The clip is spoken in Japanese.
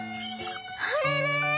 あれれ？